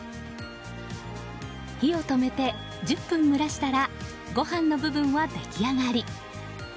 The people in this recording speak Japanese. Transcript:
火を止めて１０分蒸らしたらご飯の部分は出来上がり。